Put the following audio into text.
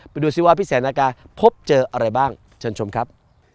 ดูสิว่าพี่แสนนากาพบเจออะไรบ้างเชิญชมครับ